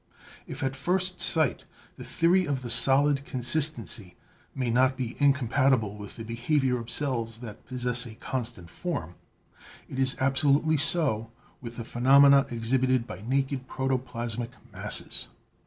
If at first sight the theory of the solid consistency may not be incompatible with the behavior of cells that possess a constant form, it is absolutely so with the phenomena exhibited by naked protoplasmic masses.